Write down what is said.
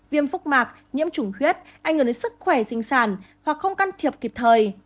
viêm phúc mạc nhiễm chủng huyết ảnh hưởng đến sức khỏe sinh sản hoặc không can thiệp kịp thời